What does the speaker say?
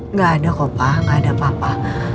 nggak ada ko pa nggak ada papa